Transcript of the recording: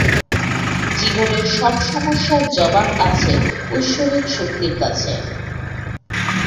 জীবনের সব সমস্যার জবাব আছে ঐশ্বরিক শক্তির কাছে।